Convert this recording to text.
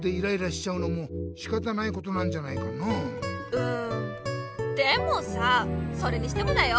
うんでもさそれにしてもだよ